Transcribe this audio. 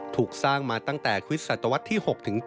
ถูกสร้างมาตั้งแต่คริสตวรรษที่๖๗